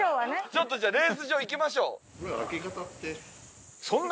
ちょっとじゃあレース場行きましょう。